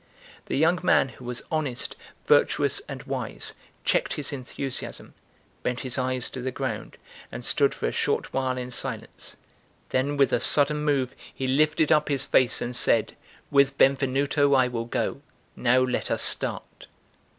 The young man, who was honest, virtuous, and wise, checked his enthusiasm, bent his eyes to the ground, and stood for a short while in silence. Then with a sudden move he lifted up his face and said: "With Benvenuto I will go; now let us start."